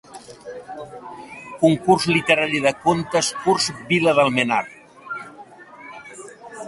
Concurs literari de contes curts "Vila d'Almenar"